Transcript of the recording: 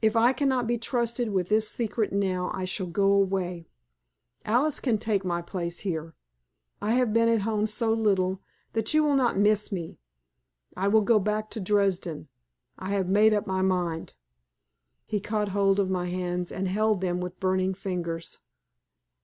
If I cannot be trusted with this secret now, I shall go away; Alice can take my place here. I have been at home so little, that you will not miss me. I will go back to Dresden. I have made up my mind." He caught hold of my hands and held them with burning fingers.